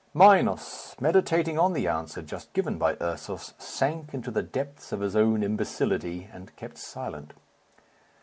Minos, meditating on the answer just given by Ursus, sank into the depths of his own imbecility, and kept silent.